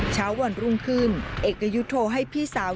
เช้าวันรุ่งขึ้นเอกยุทธ์โทรให้พี่สาว